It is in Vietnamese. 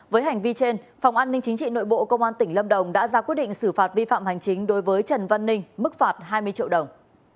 với hành vi trên phòng an ninh chính trị nội bộ công an tỉnh lâm đồng đã ra quyết định xử phạt vi phạm hành chính đối với trần văn ninh mức phạt hai mươi triệu đồng